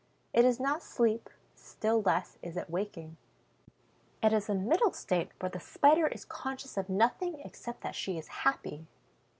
It is not sleep, still less is it waking; it is a middle state where the Spider is conscious of nothing except that she is happy.